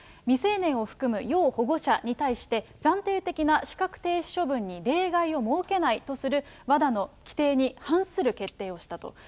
未成年を含む要保護者に対して、暫定的な資格停止処分に例外を設けないとするＷＡＤＡの規定に反する決定をしたと。